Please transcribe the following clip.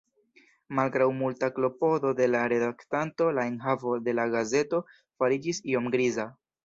Malgraŭ multa klopodo de la redaktanto la enhavo de la gazeto fariĝis iom griza.